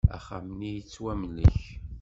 Axxam-nni yettwamlek.